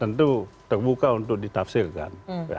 tentu terbuka untuk ditafsirkan